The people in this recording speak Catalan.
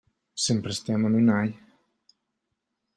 Sempre estem en un ai.